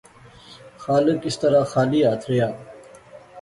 خالق اس طرح خالی ہتھ ریا